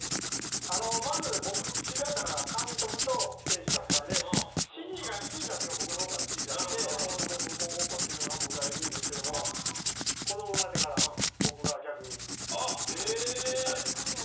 まず、知り合ったのが監督と選手だったので指示出すのが僕のほうから指示出してこう動こうっていうのを僕が言うんですけど子供が生まれてから僕が逆に指示されてます。